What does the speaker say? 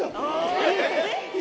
えっ？